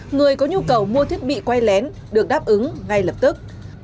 người có nhu cầu mua thiết bị quay lén được đáp ứng ngay lập tức